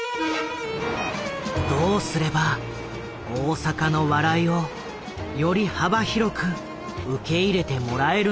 どうすれば大阪の笑いをより幅広く受け入れてもらえるのか。